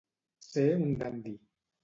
Ser un dandi.